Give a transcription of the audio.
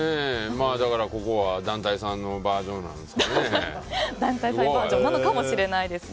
だから、ここは団体さんのバージョンなんですかね。